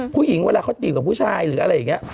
ผู้หญิงเวลาเขาจีบกับผู้ชายหรืออะไรอย่างนี้